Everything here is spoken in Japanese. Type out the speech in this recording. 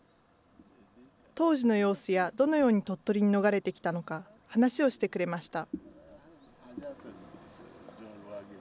当時の様子や、どのように鳥取に逃れてきたのか、話をしてくれました。